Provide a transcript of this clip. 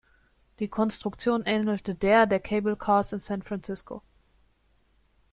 Die Konstruktion ähnelte der der Cable Cars in San Francisco.